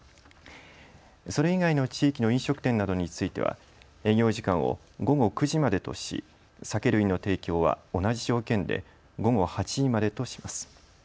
それ以外の地域の飲食店などについては営業時間を午後９時までとし酒類の提供は同じ条件で午後８時までとします。